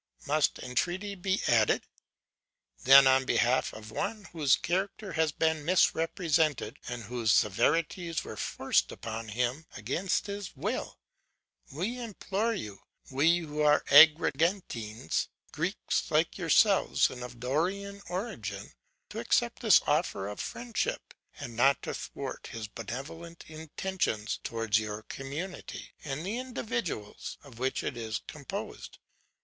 Must entreaty be added? Then on behalf of one whose character has been misrepresented, and whose severities were forced upon him against his will, we implore you, we who are Agrigentines, Greeks like yourselves and of Dorian origin to accept his offer of friendship, and not to thwart his benevolent intentions towards your community and the individuals of which it is composed.